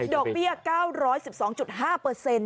ดอกเบี้ย๙๑๒๕เปอร์เซ็นต์